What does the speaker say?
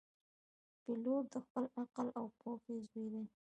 پیلوټ د خپل عقل او پوهې زوی دی.